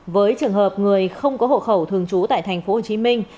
với trường hợp người không có hộ khẩu thường trú tại thành phố hồ chí minh